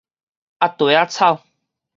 鴨蹄仔草